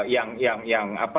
yang yang yang apa